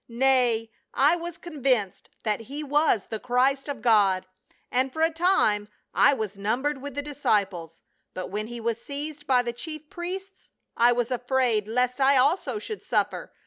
Nay, I was convinced that he was the Christ of God, and for a time I was numbered with the disciples, but when he was seized by the chief priests I was afraid lest I also should suffer.